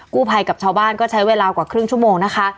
กู้ภัยกับชาวบ้านก็ใช้เวลากว่าครึ่งชั่วโมงนะคะ